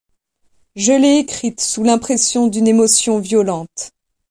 Je l’ai écrite sous l’impression d’une émotion violente.